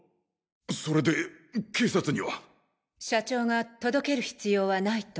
それで警察には？社長が届ける必要はないと。